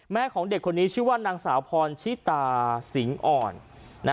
ของเด็กคนนี้ชื่อว่านางสาวพรชิตาสิงห์อ่อน